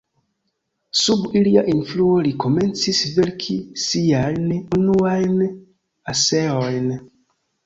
Sub ilia influo li komencis verki siajn unuajn eseojn.